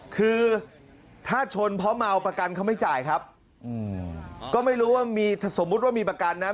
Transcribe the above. คือถ้าชนเพราะเมาประกันเขาไม่จ่ายครับก็ไม่รู้ว่ามีสมมุติว่ามีประกันนะ